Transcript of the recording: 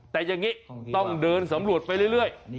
แต่อย่างนี้ต้องเดินสำรวจไปเรื่อย